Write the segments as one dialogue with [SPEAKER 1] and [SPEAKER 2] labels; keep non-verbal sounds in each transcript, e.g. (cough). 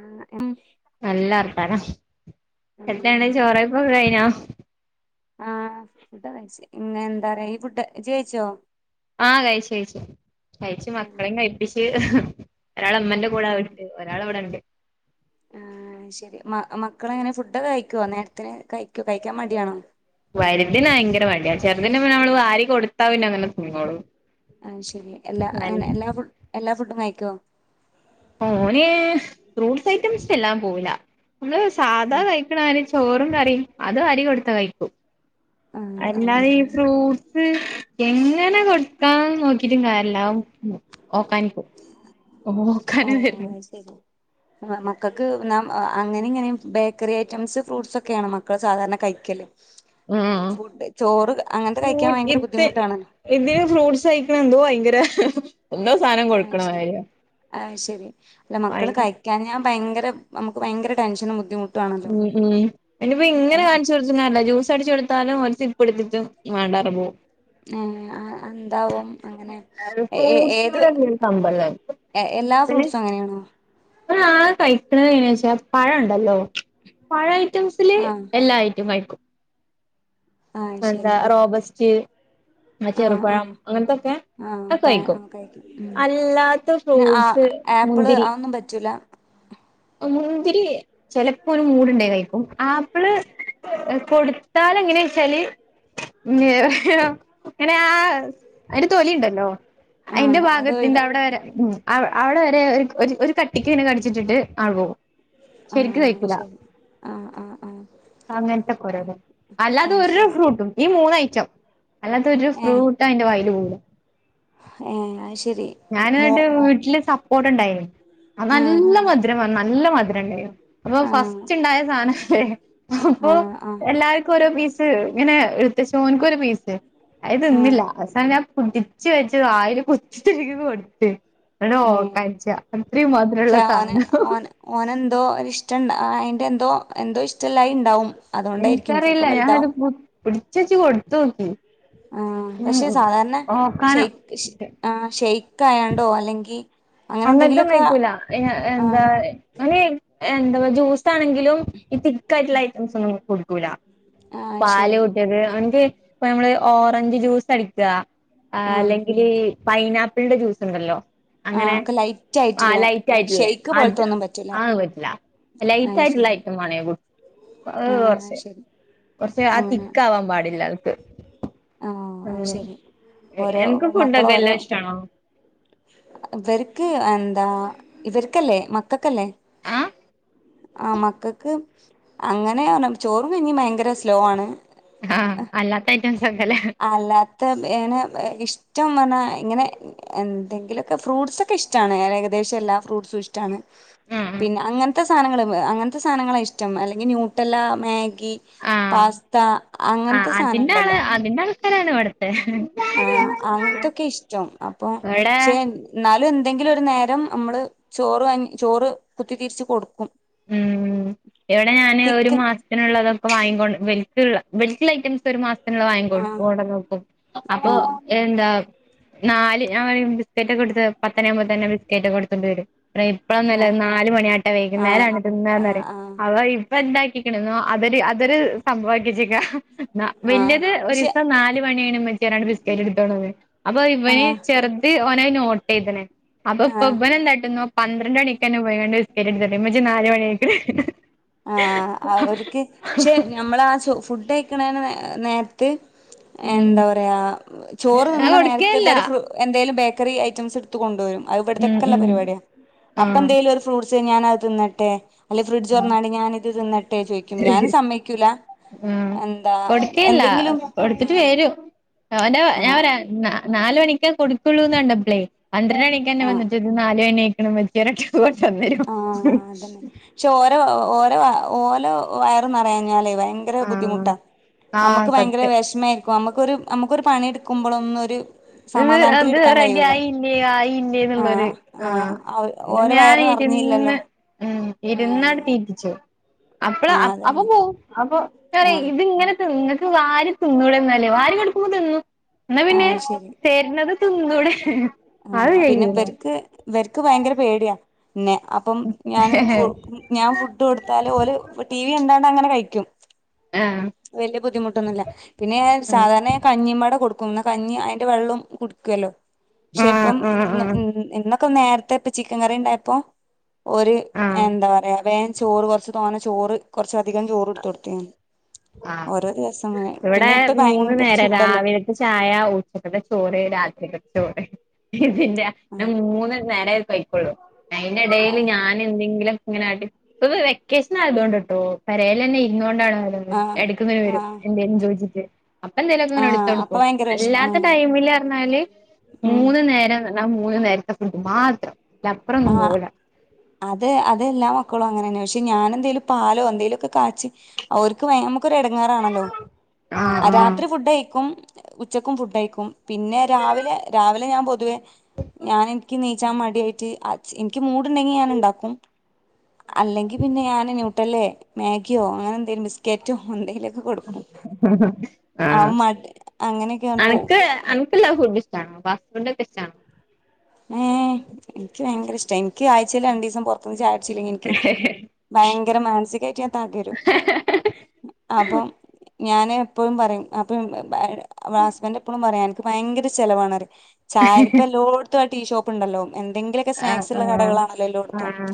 [SPEAKER 1] ആ ഉം (inaudible)
[SPEAKER 2] നല്ല വർത്താനം എത്തേന് ചോറെയ്പ്പൊക്കെഴിഞ്ഞോ
[SPEAKER 1] ആ ഫുഡൊകെയിച് ന്എന്താറയാ ഈ ഫുഡ് ഇജ് കഴിച്ചോ
[SPEAKER 2] ആ കഴിച്ചു ഴിച്ചു കഴിച്ചു മക്കളിം കഴിപ്പിച്ച് (unintelligible) ഒരാളമ്മന്റെ കൂടെ അവിടണ്ട് ഒരാളവിടെണ്ട്
[SPEAKER 1] ആ ശെരി മ മക്കളെങ്ങനെ ഫുഡൊക്കെ കഴിക്കുവോ നേരത്തിന് കഴിക്കോ കഴിക്കാൻ മടിയാണോ
[SPEAKER 2] വല്തിനയങ്കര മടിയാ ചെറുതിന് പിന്നെ നമ്മള് വാരി കൊടുത്താ പിന്നെ അങ്ങനെ തിന്നോളും
[SPEAKER 1] ആവ്ശെരി എല്ലാ
[SPEAKER 2] വൽ
[SPEAKER 1] എങ്ങനെ എല്ലാ ഫുഡ് എല്ലാ ഫുഡും കഴിക്കോ
[SPEAKER 2] ഓന് ഫ്രൂട്ട്സ് ഐറ്റംസ് എല്ലാം പോവൂല മ്മള് സാധാ കഴി ക്ണാരിം ചോറും കറിം അത് വാരി കൊടുത്താ കഴിക്കും
[SPEAKER 1] ആഹ് ആഹ്
[SPEAKER 2] അല്ലാതെ ഈ
[SPEAKER 1] എന്നാലും
[SPEAKER 2] ഫ്രൂട് ട്സ് (unintelligible) എങ്ങനെ കൊടുക്കാൻ നോക്കിട്ടും കാര്യല്ല (unintelligible) അവൻ ഒക്കാനിക്കും ഓക്കാനം വെരും
[SPEAKER 1] വെരും മ മക്കക്ക് നാം അങ്ങനിം ങ്ങെനിം ബേക്കറി ഐറ്റംസ് ഫ്രൂട്ട്സൊക്കെയാണോ മക്കള് സാധാരണ കഴിക്കെല് ഈ
[SPEAKER 2] ഉം
[SPEAKER 1] ഫുഡ് ചോറ് അങ്ങനത്തെ കഴിക്കാൻ
[SPEAKER 2] ഫ്രൂട്ട്
[SPEAKER 1] ഭയങ്കര
[SPEAKER 2] ഇത്
[SPEAKER 1] ബുദ്ധിമുട്ടാണ്
[SPEAKER 2] ഇതിന് ഫ്രൂട്ട്സ് കഴിക്ക്ണ എന്തോ ഭയങ്കര (unintelligible)
[SPEAKER 1] ആന്ശെരി
[SPEAKER 2] മാതിരിയാ
[SPEAKER 1] ആ ശെരി അല്ല
[SPEAKER 2] ഭയ
[SPEAKER 1] മക്കള് കഴി ക്യാഞ്ഞാ ഭയങ്കര നമുക്ക് ഭയങ്കര ടെൻഷനും ബുദ്ധിമുട്ടും
[SPEAKER 2] മ് മ് നിപ്പോ ഇങ്ങനെ കാണിച്ചോട് (unintelligible) ല്ല ജ്യൂസ് അടിച്ചൊടുത്താലും ഓല് (unintelligible) വണ്ടാർന്പോവും
[SPEAKER 1] നേ ആ എന്താവൊം അങ്ങനെ എ എ ഏത്
[SPEAKER 2] ഫ്രൂട്ട്സിനോട് വലിയൊരു കമ്പല്ല
[SPEAKER 1] എ എല്ലാ ഫ്രൂട്ട്സും അങ്ങനേണോ
[SPEAKER 2] ഓനാകെ കഴിക്ക്ണ്എങ്ങനേച്ചാ പഴണ്ടല്ലോ പഴ ഐറ്റംസില്
[SPEAKER 1] ആഹ്
[SPEAKER 2] എല്ലാ ഐറ്റം കഴിക്കും
[SPEAKER 1] ആഹ്
[SPEAKER 2] എന്താ
[SPEAKER 1] ശരി
[SPEAKER 2] റോബസ്റ്റ് ആ
[SPEAKER 1] ആഹ്
[SPEAKER 2] ചെറുപഴം
[SPEAKER 1] ആഹ്
[SPEAKER 2] അങ്ങനത്തൊക്കെ
[SPEAKER 1] ആഹ് പ
[SPEAKER 2] അകെഴിക്കും
[SPEAKER 1] ആഹ് കഴിക്കും ഉം
[SPEAKER 2] അല്ലാത്ത
[SPEAKER 1] പിന്നെ ആ
[SPEAKER 2] ഫ്രൂഡ്സ്
[SPEAKER 1] ആപ്പിള്
[SPEAKER 2] മുന്തിരി
[SPEAKER 1] അതൊന്നും പറ്റൂല
[SPEAKER 2] അമുന്തിരേ ചെലപ്പോന് മൂട്ണ്ടെനികഴിക്കും ആപ്പിള് കൊടുത്താലെങ്ങനെച്ചാല് മ് (unintelligible) ആഹ് ആ ങ്ങെനെ ആ അയ്ൻ്റെ തൊലിണ്ടല്ലോ അയിന്റെ
[SPEAKER 1] ആഹ് അത്
[SPEAKER 2] ഭാഗത്തിന്റെ
[SPEAKER 1] ഒഴിവാ
[SPEAKER 2] അവ്ടെ വരെ മ് അവ് അവിടെ വരെ ഒരു ഒരു ഒര് കട്ടിക്ക് ങ്ങനെ കടിച്ചിട്ടിട്ട് ആകൂ
[SPEAKER 1] ആ ശെരി ആ
[SPEAKER 2] അങ്ങൻതെ കൊരോന്ന് അല്ലാതെ
[SPEAKER 1] അത്
[SPEAKER 2] ഒരു
[SPEAKER 1] ശരി
[SPEAKER 2] ഫ്രൂട്ടും ഈ മൂന്ന് ഐറ്റം അല്ലാതൊരു
[SPEAKER 1] ഏഹ്
[SPEAKER 2] ഫ്രൂട്ട യ്ന്റെ വായില് പോവൂല്ല
[SPEAKER 1] ഏഹ് അത് ശരി മോ
[SPEAKER 2] ഞാനായിട്ട് വീട്ട്ല് സപ്പോട്ടണ്ടായി അത്
[SPEAKER 1] ആഹ്
[SPEAKER 2] നല്ല മധു രമാ ആ നല്ല മധുരണ്ടായിനു അപ്പൊ
[SPEAKER 1] ആഹ്
[SPEAKER 2] ഫസ്റ്റിണ്ടായ സാനല്ലേ അപ്പൊ
[SPEAKER 1] ആഹ് ആഹ്
[SPEAKER 2] എല്ലാരിക്കും ഓരോ പീസ് ഇത് ഇങ്ങനെ ട്ത്തച്ചൊഓന്ക്കൊരു പീസ് അത്
[SPEAKER 1] ആഹ്
[SPEAKER 2] തിന്നില്ല അവസാനംഞാൻ പുടിച്ച് വെച്ച് വായില് കുത്തി തിരികി കൊടുത്ത് എടോ
[SPEAKER 1] മേ
[SPEAKER 2] ഓക്കാനിച്ചാ ഇത്രയും മധുരൊള്ള സാധന
[SPEAKER 1] ഓൻ ഓനെന്തോ അ ഇഷ്ടെണ്ടാ ആ അയിന്റെ ന്തോ എന്തോ ഇഷ്ടല്ലായി ണ്ടാവും
[SPEAKER 2] എന്ക്കറിയില്ല ഞാനിട് പുട് പിടിച്ചെച്ച് കൊടുത്തോക്കി
[SPEAKER 1] ആ പക്ഷെ സാധാരണ ഷേയ് ഷ്
[SPEAKER 2] ഓക്കാനം
[SPEAKER 1] ആ ഷേയ്ക്കായാണ്ടോ അല്ലെങ്കി അങ്ങനെ എന്തെങ്കിലൊക്കെ
[SPEAKER 2] അങ്ങൻത്തൊംകഴിക്കൂല എ എന്താ
[SPEAKER 1] ആഹ്
[SPEAKER 2] എ ഓന് എന്താപൊ ജ്യൂസാണെങ്കിലും ഈ തിക്കായിട്ടുള്ള ഐറ്റംസൊന്നും (unintelligible) കൊടുക്കൂല്ല
[SPEAKER 1] ആഹ്
[SPEAKER 2] പാല്
[SPEAKER 1] ശരി
[SPEAKER 2] കുട്ടേത് അണ്ടി ഇപ്പ നമ്മള് ഓറഞ്ച് ജ്യൂസ് അടിക്കാ ആ
[SPEAKER 1] ആഹ്
[SPEAKER 2] അല്ലെങ്കില് പൈനാപ്പിളിന്റെ ജ്യൂസ് ണ്ടല്ലോ
[SPEAKER 1] ആ ക്കെ ലൈ
[SPEAKER 2] ആ ലൈറ്റ് ആയിട്ട്ള്ളേ അത്
[SPEAKER 1] പറ്റൂല
[SPEAKER 2] ആവറ്റിലാ ലൈറ്റ്
[SPEAKER 1] അയ്
[SPEAKER 2] ആയിട്ടുള്ള
[SPEAKER 1] ശരി
[SPEAKER 2] ഐറ്റം വാണേംഏതും ആവ്
[SPEAKER 1] ആഹ്
[SPEAKER 2] കൊറച്ചേ
[SPEAKER 1] ശരി
[SPEAKER 2] കൊറച്ചേ ആ
[SPEAKER 1] അങ്ങനെ
[SPEAKER 2] തിക്കാവാൻ പാടില്ല അവൾക്ക്
[SPEAKER 1] ആഹ് അയ്
[SPEAKER 2] ഉം
[SPEAKER 1] ശരി
[SPEAKER 2] എ
[SPEAKER 1] ഓരോ
[SPEAKER 2] എനിക്ക് ഫുഡെല്ലാ എല്ലാം ഇഷ്ടമാണോ
[SPEAKER 1] ഇവര്ക്ക് എന്താ ഇവര്ക്കല്ലേ മക്കക്കല്ലേ
[SPEAKER 2] ആഹ്
[SPEAKER 1] ആഹ് മക്കക്ക് അ അങ്ങനെയാണ് ചോറും കഞ്ഞീം ഭയങ്കര സ് ലോ ആണ്
[SPEAKER 2] ആഹ് അല്ലാത്ത ഐറ്റം സൊക്കല്ലേ
[SPEAKER 1] അല്ലാത്തെ എങ്ങനെ ഇഷ്ടം പറഞ്ഞാ ഇങ്ങനെ എന്തെങ്കിലൊക്കെ ഫ്രൂട്ട്സെക്കെ ഇഷ്ടാണ് ഏകദേശം എല്ലാ ഫ്രൂട്ട്സും ഇഷ്ടാണ് പിന്നെ അങ്ങൻത്ത സാനങ്ങള് എ അങ്ങനത്ത സാനങ്ങളാ ഇഷ്ടം അല്ലെങ്കി ന്യൂട്ടെല്ല മാഗി
[SPEAKER 2] ആഹ്
[SPEAKER 1] പാസ്ത അങ്ങന് ത്തെ സാനണ്ടല്ലോ
[SPEAKER 2] ങ്ങനാണ് കൊടുത്തെ
[SPEAKER 1] ആഹ് അങ്ങന്‌ ത്തൊക്കെ ഇഷ്ടം അപ്പൊ
[SPEAKER 2] ഇവിടെ
[SPEAKER 1] ഷെ ന്നാലും എന്തെങ്കിലും ഒരു നേരം നമ്മള് ചോറ് അൻ ചോറ് കുത്തിത്തിരിച്ച് കൊടുക്കും
[SPEAKER 2] ഉം ഇവിടെ ഞാന് ഒരു
[SPEAKER 1] ചിക്കൻ
[SPEAKER 2] മാസ ത്തിനുള്ളത് ഇപ്പ വാങ്ങിക്കൊണ്ട് വൽക്ക് ള്ള വൽക്ക് ഐറ്റംസ് ഒര്മാസ ത്തിനുള്ള വാങ്ങിക്കോണ്ട്
[SPEAKER 1] ആഹ്
[SPEAKER 2] കൊടക്കും ക്കും അപ്പൊ
[SPEAKER 1] ആഹ്
[SPEAKER 2] എന്താ നാല് ഞാൻ പറയും ബിസ്ക്കറ്റൊക്കെ ടുത്ത് പത്തണായാമ്പോ തന്നെ ബിസ്ക്കെറ്റൊക്ക എടുത്തുണ്ട് വരും അത്രേം ഇപ്പളൊന്നല്ല
[SPEAKER 1] ആഹ്
[SPEAKER 2] നാല് മണിയാട്ടെ
[SPEAKER 1] ആഹ്
[SPEAKER 2] വൈകുന്നേരാണ്
[SPEAKER 1] ആഹ്
[SPEAKER 2] തിന്നാന്നറിം
[SPEAKER 1] ആഹ്
[SPEAKER 2] അവ ഇ ഇപ്പ എന്താക്കിക്ക്ണ് ന്നോ അതൊര് അതൊര് സംഭവാക്കി വെച്ചേക്ക നാ
[SPEAKER 1] ആഹ്
[SPEAKER 2] വല്ല്യത്
[SPEAKER 1] പക്ഷെ
[SPEAKER 2] ഒരിസം നാല് മണിയായി ണ് ഇമ്മച്ചേ റ്ഞാണ്ട് ബിസ്ക്കറ്റ് ടു ത്ത് കൊണ്ടന്ന് അപ്പൊ ഇവന്
[SPEAKER 1] ആഹ്
[SPEAKER 2] ചെറു ത് ഓനായി നോട്ട യ്ത് ണ് അപ്പം പ്പം
[SPEAKER 1] ആഹ്
[SPEAKER 2] ഇമ്പന് എന്താ ട്ടുന്നേ പന്ത്രണ്ടണിക്കന്നെ പോയി കാണ്ട് ബിസ്കറ്റ് ട്ത്ത്ട്ട് ഇമ്മ ച്ചി നാല് മണിയായി ക്ക് ണ്
[SPEAKER 1] ആഹ് അവര്ക്ക് ക്ഷേ നമ്മളാ സു ഫുഡയിക്ക്ണേന് നേ നേര ത്ത്
[SPEAKER 2] ഉം
[SPEAKER 1] എന്താ പറയാ ചോറ്
[SPEAKER 2] ഞാൻ
[SPEAKER 1] തിന്ന് ണ നേരത്ത്
[SPEAKER 2] കൊടുക്കേല്ല
[SPEAKER 1] ഇതൊരു ഫ്രൂ എന്തേലും ബേക്കറി ഐറ്റംസ് ടുത്ത്കൊണ്ടുവരും അത്
[SPEAKER 2] ഉം
[SPEAKER 1] ഇവിട്ത്തെക്കെള്ള
[SPEAKER 2] ഉം
[SPEAKER 1] പരിപാടിയാ അപ്പ
[SPEAKER 2] ആഹ്
[SPEAKER 1] എന്തേലൊര് ഫ്രൂട്ട്സ് ഞാനത് തിന്നട്ടെ അല്ലെ ഫ്രിഡ്ജ് തോറന്നാണ്ട് ഞാനിത് തിന്ന ട്ടെ ചോയിക്കും ഞാൻ സമ്മയ്ക്കൂല
[SPEAKER 2] ആഹ്
[SPEAKER 1] എന്താ എന്തെങ്കിലും ആഹ്
[SPEAKER 2] ഓന്റെ ഞാൻ
[SPEAKER 1] ആഹ്
[SPEAKER 2] പറയാ നാ നാല് മണിക്കെ കൊടുക്കുള്ളൂന്ന് കണ്ടപ്ലേ പന്ത്രണ്ട് മണിക്ക് ന്നെ
[SPEAKER 1] ആഹ്
[SPEAKER 2] വന്നിട്ട് നാല്ണിയിക്ക്ണ് ഇമ്മച്ചേ റ്ഞ്ഞ്ട്ട് കൊണ്ടന്നരും
[SPEAKER 1] ചോ ഓര ഓര ഓലെ ഓ വയറ് നറയാഞ്ഞാലേ ഭയ ങ്കര
[SPEAKER 2] ആഹ്
[SPEAKER 1] ബുദ്ധിമുട്ടാ
[SPEAKER 2] ആഹ്
[SPEAKER 1] നമക്ക് ഭയങ്കര
[SPEAKER 2] സത്യം
[SPEAKER 1] വെഷമ ആയിരിക്കും നമക്കൊരു നമക്കൊരു പണി എടുക്കുമ്പളൊന്നും ഒര്
[SPEAKER 2] ഇത് അത് റെഡി ആയില്ലേ ആയില്ലേ ന്നുള്ളര്
[SPEAKER 1] ആഹ്
[SPEAKER 2] ആഹ്
[SPEAKER 1] അവ ഓര
[SPEAKER 2] ഞാൻ
[SPEAKER 1] വയറ്
[SPEAKER 2] ഇരു
[SPEAKER 1] നിറഞ്ഞില്ലല്ലോ
[SPEAKER 2] ന്ന്
[SPEAKER 1] ആഹ്
[SPEAKER 2] ഇരുന്നാട്ട് തീ റ്റിച്ചേ അപ്പളാ
[SPEAKER 1] ആഹ്
[SPEAKER 2] അ അപ്പ
[SPEAKER 1] അതന്നെ
[SPEAKER 2] പോവും അപ്പ നാനേ
[SPEAKER 1] ആഹ്
[SPEAKER 2] ഇത്ങ്ങനെ ഇങ്ങക്ക് വാരി തിന്നൂടെ ന്നാല് വാരി കൊട്ക്കുമ്പം തിന്നും ഇന്നാ പിന്നെ
[SPEAKER 1] ആഹ് ശരി
[SPEAKER 2] തര്ണത് തിന്നൂടെ അത്
[SPEAKER 1] ആഹ് പിന്നെ
[SPEAKER 2] കഴിയൂല
[SPEAKER 1] ഇബര്ക്ക് ഇവര്ക്ക് ഭയങ്കര പേടിയാ ഇന്നേ അപ്പം ഞാൻ ഫു ഞാൻ ഫുഡ് കൊടുത്താല് ഓല് ടി വി ണ്ടാണ്ട് അങ്ങനെ കഴിക്കും
[SPEAKER 2] ആഹ്
[SPEAKER 1] വല്ല്യയ ബുദ്ധിമുട്ടൊന്നുല്ല പിന്നെ ഞാൻ സാധാരണ ഞാ കഞ്ഞിമ്പാടെ കൊടുക്കും ന്നാ കഞ്ഞി അയിന്റെ വെള്ളോംകുടിക്കല്ലോ ക്ഷെ
[SPEAKER 2] ആഹ്
[SPEAKER 1] ഇപ്പം
[SPEAKER 2] ആഹ്
[SPEAKER 1] ഇന്ന്
[SPEAKER 2] ആഹ്
[SPEAKER 1] ഇന്നൊക്കെ നേരത്തെ ഇപ്പ ചിക്കൻ കറി ണ്ടായപ്പോ ഓര്
[SPEAKER 2] ആഹ്
[SPEAKER 1] എന്താ പറയാ വേം ചോറ് കൊറച്ച് തോനെ ചോറ് കൊറച്ച് അധികം ചോറ് ട്ത്ത്കൊടുത്തീനി
[SPEAKER 2] ആഹ് ഇവിടെ
[SPEAKER 1] പിന്നെ ഇപ്പ
[SPEAKER 2] മൂന്ന്
[SPEAKER 1] ഭയങ്കര
[SPEAKER 2] നേര
[SPEAKER 1] ചൂടല്ലേ
[SPEAKER 2] രാവിലെ ത്തെചായ ഉച്ചക്കത്തെ ചോറ് രാത്രികത്തെ ചോറ് ഇതിന്റെ ഞാൻ മൂന്ന് നേരേ കയിക്കൊള്ളൂ അയിന്റെ എടേല്
[SPEAKER 1] ആഹ്
[SPEAKER 2] ഞാൻ എന്തെങ്കിലും ക്കങ്ങനെ എടക്ക് വെക്കേഷൻ ആയതോണ്ടാട്ടോ പെരേലെന്നെ ഇരുന്ന് കൊണ്ടാണ്
[SPEAKER 1] ആഹ്
[SPEAKER 2] എട്ക്ക് ഇങ്ങനെ വരും
[SPEAKER 1] ആഹ്
[SPEAKER 2] എന്തേലും ചോയിച്ചിട്ട് അപ്പ എന്തേലൊക്കെ ഇങ്ങനെ എടുത്തു
[SPEAKER 1] ആഹ് അപ്പൊ
[SPEAKER 2] കൊടുക്കും
[SPEAKER 1] ഭയങ്കര വിശപ്പ്
[SPEAKER 2] അല്ലാത്ത
[SPEAKER 1] ആഹ്
[SPEAKER 2] ടൈമിലറ്ഞ്ഞാല്
[SPEAKER 1] ഉം
[SPEAKER 2] മൂന്ന് നേരം ആ മൂന്ന് നേരത്തെ ഫുഡ് മാത്രം അയിലപ്പറൊന്നും
[SPEAKER 1] ആഹ്
[SPEAKER 2] പോവൂല
[SPEAKER 1] അതെ അതല്ലെ മക്കളും അങ്ങനന്നെ പക്ഷെ ഞാനെ ന്തേലും പാലോ എന്തെലോ ക്കെ കാച്ചി ഓര്ക്ക് വയ നമ്മക്ക് ഒര് ഇടങ്ങാറാണല്ലോ
[SPEAKER 2] ആഹ് ആഹ്
[SPEAKER 1] രാത്രി ഫുഡയിക്കും ഉച്ചക്കും ഫുഡയിക്കും പിന്നെ രാവിലെ രാവിലെ ഞാൻ പൊതുവേ ഞാന് ഇന്ക്ക്ന്നീച്ചാൻ മടിയായിട്ട് ച്ച് ഇന്ക്കി മൂട്ണ്ടെങ്കി ഞാന് ഇണ്ടാക്കും അല്ലെങ്കി പിന്നെ ഞാന് നൂ ട്ടല്ലേ മാഗിയോ അങ്ങനെ എന്തേലും ബിസ്ക്കറ്റോ എന്തെങ്കിലൊ
[SPEAKER 2] ആഹ്
[SPEAKER 1] മടി അങ്ങനെയൊക്കെയാണ് പോവും
[SPEAKER 2] അന്ക്ക് അന് ക്കെല്ലാ ഫുഡും ഇഷ്ടാണോ ഫാസ്റ്റ് ഫുഡൊ‌ക്കെ ഇഷ്ടാണോ
[SPEAKER 1] ഏഹ് ഇന്ക്കി ഭയങ്കര ഇഷ്ടാ ഇന്ക്കി ആഴ്ചേല് രണ്ടീസം പൊറത്ത്ന്ന് ചായുട്ച്ചില്ലങ്കി ഇന്ക്കി
[SPEAKER 2] ഇഷ്ടാണോ
[SPEAKER 1] ഭയങ്കരം മാനസികായിട്ട് ഞാൻ തകരും ആഹ് അപ്പം ഞാന് എപ്പഴും പറിം അപ്പം മ് ബ ഈടെ വാ ഹസ്ബന്റെപ്പളും പറിയെ അന്ക്ക് ഭയങ്കര ചെലവാന്നറിം ചായ ഇപ്പ എല്ലോട്ത്തും ആ ടീഷോപ്പ്ണ്ടല്ലോ എന്തെങ്കിലെ
[SPEAKER 2] ആഹ് ആഹ് ആഹ്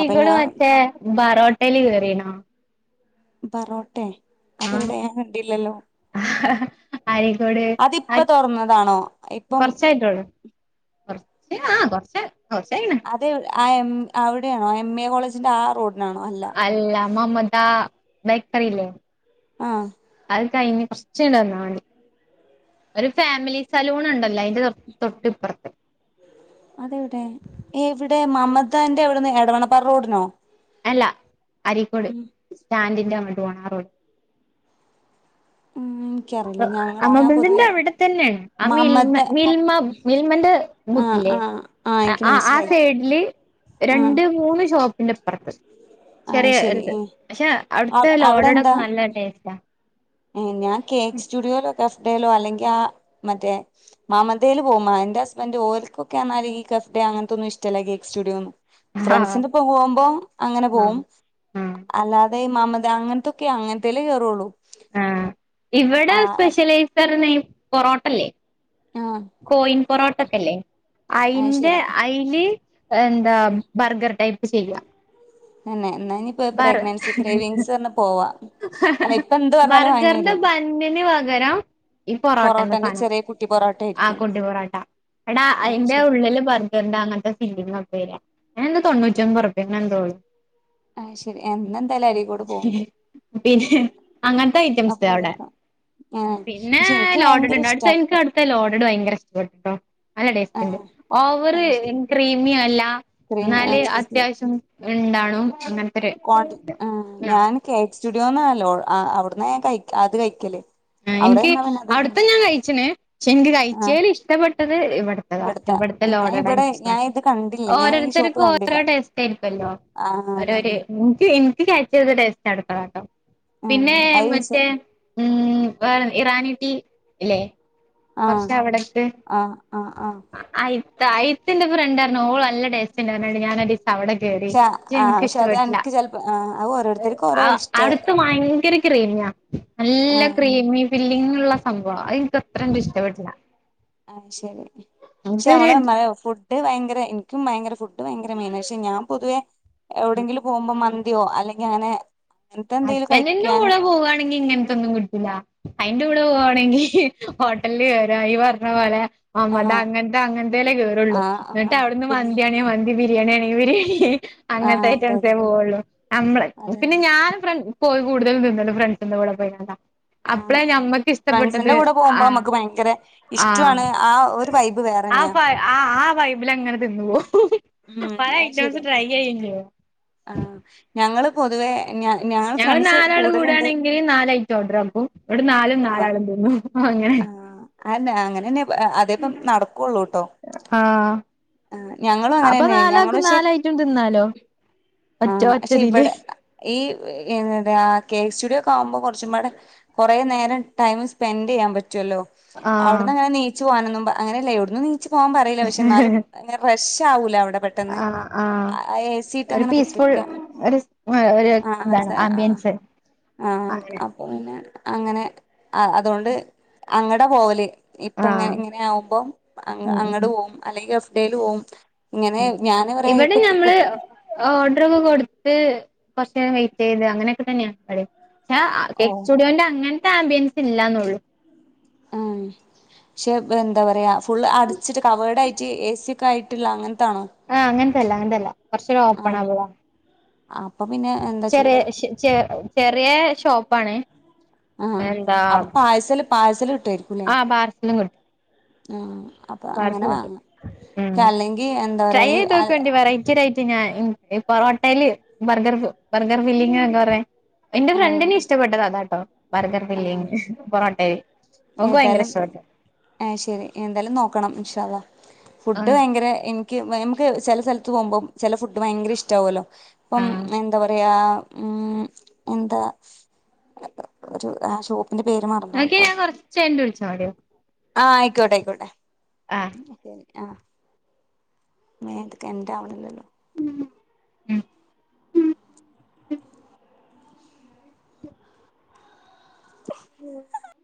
[SPEAKER 1] അപ്പൊ ഞാൻ
[SPEAKER 2] മറ്റേ ബാറോട്ടല് കേറീണോ
[SPEAKER 1] ബറോട്ടെ
[SPEAKER 2] ആഹ്
[SPEAKER 1] അതെവ്ടെ ഞാൻ കണ്ടില്ലല്ലോ
[SPEAKER 2] അരീക്കോട്
[SPEAKER 1] അതിപ്പ
[SPEAKER 2] അയ്
[SPEAKER 1] തുറന്നതാണോ ഇപ്പം
[SPEAKER 2] കൊറ്ച്ചായിട്ടോള്ളൂ കൊറച്ച് ആഹ് കൊറച്ച് കൊറ്ച്ചായിണ്
[SPEAKER 1] അത് എവ് ആ എം അവിടെയാണോ എം എ കോളേജ്ൻ്റെ ആ റോഡ്നാണോ അല്ലാ
[SPEAKER 2] അല്ല മമതാ ബേക്കറിയില്ലേ
[SPEAKER 1] ആഹ്
[SPEAKER 2] അത് കഴിഞ്ഞ് കൊറച്ച്ന്ന്ട്ട് വന്നാ മതി ഒരു ഫാമിലി സലൂണ് ഇണ്ടല്ലോ അയിന്റെ തൊ തൊട്ട് ഇപ്പറ്ത്ത്
[SPEAKER 1] അത് എവിടെ എവിടെ മമതന്റെ എവിട്ന്ന് എടവണ്ണപ്പാറ റോഡ്നോ
[SPEAKER 2] അല്ല അരീക്കോട് സ്റ്റാന്റ്ന്റെ അങ്ങട്ട് പോണ ആ റോഡ്
[SPEAKER 1] ഉം എനിക്കറിയില്ല ഞങ്ങള്
[SPEAKER 2] ആഹ്
[SPEAKER 1] ഞാൻ
[SPEAKER 2] (unintelligible)
[SPEAKER 1] പൊതുവെ
[SPEAKER 2] അവടെ തന്നെ ആഹ് മിൽമ
[SPEAKER 1] മമത
[SPEAKER 2] മിൽമാ മിൽമന്റെ
[SPEAKER 1] ആഹ്
[SPEAKER 2] മുത്ത്ല്ലേ
[SPEAKER 1] ആഹ്
[SPEAKER 2] ആഹ്
[SPEAKER 1] എനിക്ക്
[SPEAKER 2] ആഹ് ആഹ്
[SPEAKER 1] മനസ്സിലായി
[SPEAKER 2] സൈഡ്ല്
[SPEAKER 1] ആഹ്
[SPEAKER 2] രണ്ട് മൂന്ന് ഷോപ്പിന്റെ ഇപ്പറ്ത്ത്
[SPEAKER 1] ആഹ്
[SPEAKER 2] ചെറിയെ
[SPEAKER 1] ശരി
[SPEAKER 2] ഒര്ത്
[SPEAKER 1] ഏഹ്
[SPEAKER 2] പക്ഷേ
[SPEAKER 1] അവ
[SPEAKER 2] അവട്ത്തെ
[SPEAKER 1] അവിടെ എന്താ
[SPEAKER 2] ലോഡഡൊക്കെ നല്ല ടേസ്റ്റാ
[SPEAKER 1] ഏഹ് ഞാൻ കേക്ക് സ്റ്റുഡിയോലോ കഫ്തേലോ അല്ലെങ്കി ആ മറ്റേ മമതേല് പോവും മ എന്റെ ഹസ്ബന്റ് ഓല്ക്കൊക്കേർഞ്ഞാല് ഈ കഫ്തെ അങ്ങത്തൊന്നും ഇഷ്ടല്ല ഈ കേക്ക് സ്റ്റുഡിയോന്നും
[SPEAKER 2] ആഹ്
[SPEAKER 1] ഫ്രണ്ട്സ്ന്റപ്പൊ പോവുമ്പോ അങ്ങനെ പോവും
[SPEAKER 2] ആഹ് ആഹ്
[SPEAKER 1] അ അല്ലാതെ മമത അങ്ങത്തൊക്കെ അങ്ങത്തേല്ലേ കേറോള്ളു
[SPEAKER 2] ആഹ് ഇവടെ സ്പെഷ്യലൈസർ നെയിം പൊറോട്ടല്ലേ
[SPEAKER 1] ആഹ്
[SPEAKER 2] കോയിൻ പൊറോട്ടൊക്കെല്ലേ
[SPEAKER 1] അത്
[SPEAKER 2] അയിന്റെ
[SPEAKER 1] ശരി
[SPEAKER 2] അയില് എ ന്താ ബർഗർ ടൈപ്പ് ചെയ്യാ
[SPEAKER 1] തന്നെ ഇന്നാഞ്ഞ് ഇപ്പെ പ്രഗ്നൻസി ക്രേവിംഗ്സർഞ്ഞ് പോവാ അല്ല ഇപ്പൊ എന്ത് പറഞ്ഞാലും വാങ്ങി
[SPEAKER 2] ബർഗറ്ന്റെ
[SPEAKER 1] വരും
[SPEAKER 2] ബന്നിന് പകരം ! !
[SPEAKER 1] പൊറോട്ടന്റെ ചെറിയ ! കുട്ടി ! പൊറോട്ട ! ആയിരിക്കും ! ! ! ! അത് ! ശരി
[SPEAKER 2] ഗർന്റെ അങ്ങത്തെ ഫില്ലിങ്ങൊക്കെ വര്യാ അയിനെന്താ തൊണ്ണൂറ്റിയൊമ്പുറ്പ്പ്യെ അങ്ങനെന്തോള്ളു
[SPEAKER 1] അയ്ശെരി ഏഹ് ഇന്നന്തായാലും അരീക്കോട് പോവ്ണ്ട്
[SPEAKER 2] പിന്നെ അങ്ങത്തെ
[SPEAKER 1] അപ്പൊ
[SPEAKER 2] ഐറ്റംസ്ട് അവടെ
[SPEAKER 1] പോയേക്കാം ആഹ്
[SPEAKER 2] പിന്നെ
[SPEAKER 1] പക്ഷെ എനിക്ക് ഭയങ്കര
[SPEAKER 2] ലോഡഡ്ണ്ട് ആട്ത്തെ
[SPEAKER 1] ഇഷ്ടാ
[SPEAKER 2] ഇന്ക്ക് ആട്ത്തെ ലോഡഡ് ഭയങ്കര ഇഷ്ടപ്പെട്ട്ട്ടോ നല്ല ടേസ്റ്റ്ണ്ട്
[SPEAKER 1] ആഹ്
[SPEAKER 2] ഓവറ്
[SPEAKER 1] അത് ശരി
[SPEAKER 2] ക്രീമിയല്ലാ
[SPEAKER 1] ക്രീമി ആ
[SPEAKER 2] ഇന്നാല് അത്യാവശ്യം ഇണ്ടാണും അങ്ങ
[SPEAKER 1] കോണ്ടി ആഹ് ഞാൻ കേക്ക് സ്റ്റുഡിയോന്നാ ലോ ആഹ് അവ്ട്ന്നാ ഞാൻ കഴി അത് കഴിക്കല്
[SPEAKER 2] ആഹ്
[SPEAKER 1] അവിടെ
[SPEAKER 2] ഇന്ക്കി
[SPEAKER 1] നിന്നാ പിന്നെ അതുകൊണ്ട്
[SPEAKER 2] അവട്ത്തെ
[SPEAKER 1] പ്രശ്നം
[SPEAKER 2] ഞാൻ കഴിച്ച്ന് പക്ഷേ ഇൻക്ക്
[SPEAKER 1] ആഹ്
[SPEAKER 2] കഴിച്ചേല് ഇഷ്ടപ്പെട്ടത് ഇവട് ത്തതാ
[SPEAKER 1] ഇവിടുത്തെ
[SPEAKER 2] ഇവട്ത്തെ
[SPEAKER 1] ഞാൻ
[SPEAKER 2] ലോഡഡാ
[SPEAKER 1] ഇവിടെ
[SPEAKER 2] ഇൻക്കിഷ്ടം
[SPEAKER 1] ഞാൻ ഇത് കണ്ടില്ല ഞാൻ ഈ ഷോപ്പ്
[SPEAKER 2] ഓരോര്ത്തര്ക്കും ഓരോ
[SPEAKER 1] കണ്ടില്ല
[SPEAKER 2] ടേസ്റ്റായിരിക്കൊല്ലോ
[SPEAKER 1] ആഹ് അതെ
[SPEAKER 2] ഒരോര്
[SPEAKER 1] അതെ
[SPEAKER 2] ഇൻക്ക് ഇൻക്ക് കഴിച്ചത് ടേസ്റ്റാണ്ട്ടോ (unintelligible) പിന്നെ
[SPEAKER 1] ആഹ് അത് വിച
[SPEAKER 2] മറ്റേ ഉം വേറെ ഇറാനി റ്റീ ഇല്ലെ
[SPEAKER 1] ആഹ്
[SPEAKER 2] കൊറ്ച്ച് അവിടട്ട്
[SPEAKER 1] ആഹ് ആഹ്
[SPEAKER 2] ആഹ് ആ ഇത്താ ഇത്തന്റെ ഫ്രണ്ടാരുന്നു ഓള് നല്ല ടേസറ്റ്ണ്ട്ന്നർഞ്ഞാണ്ട് ഞാനത് അവടെ കേറി
[SPEAKER 1] പക്ഷെ
[SPEAKER 2] ക്ഷേ
[SPEAKER 1] ആഹ്
[SPEAKER 2] ഇന്ക്ക്
[SPEAKER 1] പക്ഷെ അത്
[SPEAKER 2] ഇഷ്ടപ്പെട്ട്ല്ലാ
[SPEAKER 1] അനക്ക് ചെലപ്പോ ആഹ് അത്
[SPEAKER 2] അഹ്
[SPEAKER 1] ഓരോരുത്തർക്കും ഓരോ
[SPEAKER 2] ആവ്
[SPEAKER 1] ഇഷ്ട
[SPEAKER 2] അവ്ട്ത്തെ ഭയങ്കരെ ക്രീമിയാ നല്ല
[SPEAKER 1] ആഹ്
[SPEAKER 2] ക്രീമി ഫില്ലിങ്ങ്ള്ള സംഭവാ അഹ് ഇന്ക്ക
[SPEAKER 1] അഹ് ശരി ക്ഷേ
[SPEAKER 2] ഇതൊരു
[SPEAKER 1] (unintelligible) ഫു ഡ്‌ വയങ്കരെ ഇന്ക്കും ഭയങ്കരെ ഫുഡ് വയങ്കര മെയിനാ പക്ഷേ ഞാൻ പൊതുവെ എവ്ടെങ്കിലും പോവുമ്പം മ ന്തിയോ അല്ലെങ്കി അങ്ങനെ. അങ്ങനത്തെ എന്തെലും
[SPEAKER 2] ഹസ്ബന്റിന്റെ
[SPEAKER 1] കഴിക്കാന്
[SPEAKER 2] കൂടെ പോവാണെങ്കി ഇങ്ങൻ ത്തൊന്നും കി ഇല്ല. അയിന്റെ കൂടെ പോവാണെങ്കി ഹോട്ടല് കേറാ ഈ പറഞ്ഞ പോലെ. മമത
[SPEAKER 1] ആഹ്
[SPEAKER 2] അങ്ങൻത്തെ അങ്ങനത്തേല്ലേ കേറുള്ളൂ.
[SPEAKER 1] ആഹ്
[SPEAKER 2] ന്നിട്ട്
[SPEAKER 1] ആഹ്
[SPEAKER 2] അവിടുന്ന്
[SPEAKER 1] പിന്നെ
[SPEAKER 2] മന്തിയാണേ മൻ ന്തി ബിരിയാണി ആണെങ്കിൽ ബിരിയാണി
[SPEAKER 1] ആഹ്
[SPEAKER 2] അങ്ങൻത്തെ
[SPEAKER 1] അതെ
[SPEAKER 2] ഐറ്റംസേ
[SPEAKER 1] അതെ
[SPEAKER 2] പോവുള്ളു. നമ്മള പിന്നെ
[SPEAKER 1] അതന്നെ
[SPEAKER 2] ഞാന്. ഫ്രൻ പോയി കൂടുതലും തിന്നല് ഫ്രണ്ട്സിന്റെ കൂടെ പോയി കാണ്ട. അപ്പ്ളേ
[SPEAKER 1] ആഹ്
[SPEAKER 2] ഞമ്മക്ക്
[SPEAKER 1] ഫ്രണ്ട്സിന്റെ
[SPEAKER 2] ഇഷ്ടപ്പെട്ടത്
[SPEAKER 1] കൂടെ പോകുമ്പോ
[SPEAKER 2] ആഹ്
[SPEAKER 1] നമുക്ക് ഭയങ്കര
[SPEAKER 2] ആഹ്
[SPEAKER 1] ഇഷ്ടാണ്
[SPEAKER 2] ആ.
[SPEAKER 1] ഒരു
[SPEAKER 2] (unintelligible)
[SPEAKER 1] വൈബ് വേറെന്നെയാ
[SPEAKER 2] ആഹ് ആ വൈബിലങ്ങനെ തിന്ന് പോവും.
[SPEAKER 1] ഉം
[SPEAKER 2] പല
[SPEAKER 1] അത്
[SPEAKER 2] ഐറ്റംസ്
[SPEAKER 1] ശരിയാ
[SPEAKER 2] ട്രൈയ്യയ്യും ചെയ്യും.
[SPEAKER 1] ആഹ് ഞങ്ങള് പൊതുവേ. ഞ ഞാ
[SPEAKER 2] ഞങ്ങള് നാലാള് കൂടാണെങ്കിൽ നാല ഐറ്റം ഓർഡർ ആക്കും. ഇന്ന്ട്ട് നാലും
[SPEAKER 1] ആഹ്
[SPEAKER 2] നാലാളും തിന്നും. അങ്ങനെ
[SPEAKER 1] ആഹ്, അയന്നെ അങ്ങനെന്നെ അതേപ്പം നടക്കുള്ളൂ ട്ടോ.
[SPEAKER 2] ആഹ്. അപ്പൊ
[SPEAKER 1] ഞങ്ങള്
[SPEAKER 2] നാലാക്കും
[SPEAKER 1] പക്ഷെ
[SPEAKER 2] നാലയിറ്റോം തിന്നാലോ ഒറ്റ
[SPEAKER 1] ആഹ് പക്ഷെ
[SPEAKER 2] ഒറ്റതില്.
[SPEAKER 1] ഇവടെ ഈ എന്താ കേ സ്റ്റുഡിയോ ഒക്കെ ആവുമ്പോ കൊറച്ചും പാടെ. കൊറേ നേരം ടൈം സ്പെൻഡ് ചെയ്യാൻ പ റ്റൊല്ലോ,
[SPEAKER 2] ആഹ്
[SPEAKER 1] അവിടുന്ന് അങ്ങനെ നീച്ചു പോകാനന്നും പ അങ്ങനെയല്ല എവിടന്നും നീച്ചു പോകാൻ പറില്ല. പക്ഷെ ന്നാലും. ങ്ങനെ റഷ് ആവൂല അവിടെ. പെട്ടെന്ന്
[SPEAKER 2] ആഹ് ആഹ്,
[SPEAKER 1] ആ എ സി ഇട്ട്
[SPEAKER 2] ഒരു
[SPEAKER 1] അങ്ങനെ
[SPEAKER 2] പീസ്ഫുൾ
[SPEAKER 1] കുത്തിരിക്കാം
[SPEAKER 2] ഒരു സ് ഒരു
[SPEAKER 1] ആഹ് ആഹ് സ
[SPEAKER 2] എന്താണ്
[SPEAKER 1] ആഹ്
[SPEAKER 2] ആമ്പിയൻസ്. (unintelligible)
[SPEAKER 1] ആഹ്, അപ്പൊ പിന്നെ അങ്ങനെ അ അതോണ്ട് അങ്ങട പോവല്. ഇപ്പങ്ങ
[SPEAKER 2] ആഹ്
[SPEAKER 1] ഇങ്ങനെ ആകുമ്പം അൻ
[SPEAKER 2] ഉം
[SPEAKER 1] അങ്ങട്ട്
[SPEAKER 2] ഉം
[SPEAKER 1] പോവും.. അല്ലെങ്കിൽ അഫ്ഡേൽ പോവും. ഇങ്ങനെ ഞാന് പറയാ ഇപ്പൊ ക്ക് കുട്ടി.
[SPEAKER 2] ഓർഡർ ഒക്കെ കൊടുത്ത് കൊറച്ചേരം വെയിറ്റ് ചെയ്ത് അങ്ങനെയൊക്കെ തന്നെയാ ഇവിടിം റ്റ
[SPEAKER 1] ഓ
[SPEAKER 2] കെക് സ്റ്റുഡിയോന്റെ അങ്ങൻത്തെ ആംബിയൻസ് ഇല്ലാന്നുള്ളു.
[SPEAKER 1] ആഹ്, ക്ഷെ എന്താ പറയാ ഫുള്ള് അടിച്ചിട്ട് കവേഡ് ആയി റ്റ് എ സി ഒക്കായിട്ടുള്ള അങ്ങൻത്താണോ?
[SPEAKER 2] ആഹ്, അങ്ങൻത്തല്ല അങ്ങൻത്തല്ല. കൊറച്ച് ഒര് ഓപ്പൺ ആവതാ.
[SPEAKER 1] അപ്പൊ പിന്നെ എന്താ
[SPEAKER 2] ചെറിയ
[SPEAKER 1] ചൂടെടുക്കും
[SPEAKER 2] ശ ചെ ചെറിയേ ഷോപ്പാണ്
[SPEAKER 1] ആഹ്,
[SPEAKER 2] എന്താ
[SPEAKER 1] അപ്പൊ പാഴ്സല് പാഴ്സല് കിട്ടായിരിക്കും ല്ലേ.
[SPEAKER 2] ആ പാർസലും കിട്ടും
[SPEAKER 1] ആഹ് അപ്പൊ അങ്ങനെ
[SPEAKER 2] പാർസൽ കിട്ടും.
[SPEAKER 1] വാങ്ങാം
[SPEAKER 2] ഏഹ്
[SPEAKER 1] അല്ലെങ്കിൽ എന്താ
[SPEAKER 2] ട്രൈ
[SPEAKER 1] പറയാ ഈ
[SPEAKER 2] ചെയ്ത് നോക്കേണ്ടി. വറയ് ച്ചിടയിട്ട് ഞാൻ ഇ പൊറോട്ടേല് ബർഗർ ബർഗർ ഫില്ലിങ്ങ് ഒക്കെറ എന്റെ ഫ്രണ്ടിനെ
[SPEAKER 1] ആഹ്
[SPEAKER 2] ഇഷ്ടപ്പെട്ടത് അതാ ട്ടോ. ബർഗർ ഫില്ലിങ് പൊറോട്ടയിൽ ഓൾക് ഭയങ്കര ഇഷ്ട്ടപെട്ട്
[SPEAKER 1] അത് ശരി എന്തായാലും നോക്കണം ഇൻഷാ അള്ളാഹ്
[SPEAKER 2] ആ
[SPEAKER 1] ഫുഡ് ഭയങ്കര എൻ എക്ക് നമുക്ക് ചെല സ്ഥലത്ത് പോകുമ്പം ചെല ഫുഡ് ഭയങ്കര ഇഷ്ടാവൊല്ലോ.
[SPEAKER 2] ആ
[SPEAKER 1] ഇപ്പം എന്താ പറയാ ഉം, എന്താ ഒരു ആ സോ ന്റെ പേരു മറ
[SPEAKER 2] നോക്കി ഞാൻ കൊറച്ചയിഞ്ഞിട്ട് വിളിച്ചാ മതിയോ?
[SPEAKER 1] ആഹ് അയിക്കോട്ടെ അയിക്കോട്ടെ
[SPEAKER 2] അഹ്
[SPEAKER 1] (unintelligible) ശരി ആഹ് മേത്തൊക്കെ എണ്ടാവണല്ലല്ലോ
[SPEAKER 2] (inaudible) (inaudible) (unintelligible)